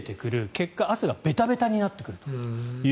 結果、汗がベタベタになってくると。